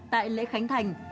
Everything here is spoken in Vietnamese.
tại lễ khánh thành